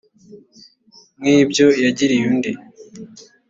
nk ibyo yagiriye undi